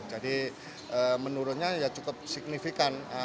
jadi menurunnya cukup signifikan